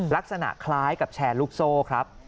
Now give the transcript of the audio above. ลักษณะคล้ายกับแชร์ลูกโซ่ครับ